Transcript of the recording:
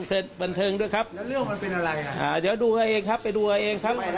เดี๋ยวดูให้เองครับไปดูให้เองครับ